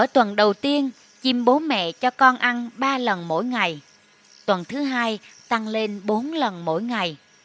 tuần thứ hai tăng lên bốn lần mỗi ngày